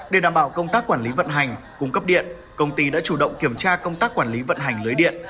để đảm bảo công tác quản lý vận hành cung cấp điện công ty đã chủ động kiểm tra công tác quản lý vận hành lưới điện